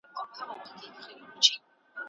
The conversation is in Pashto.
تعاون د ټولني د پرمختګ لار ده.